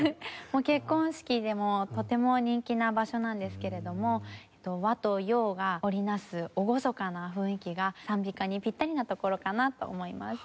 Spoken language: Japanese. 結婚式でもとても人気な場所なんですけれども和と洋が織り成す厳かな雰囲気が讃美歌にぴったりな所かなと思います。